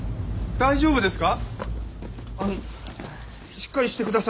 大丈夫ですか？